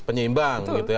penyeimbang gitu ya